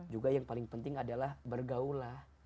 juga yang paling penting adalah bergaullah